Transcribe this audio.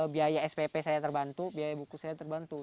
biaya spp saya terbantu biaya buku saya terbantu